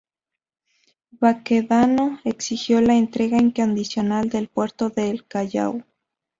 Baquedano exigió la entrega incondicional del puerto de El Callao.